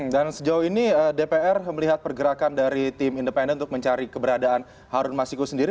dan sejauh ini dpr melihat pergerakan dari tim independen untuk mencari keberadaan harun masiku sendiri